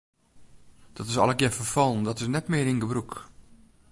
Dat is allegear ferfallen, dat is net mear yn gebrûk.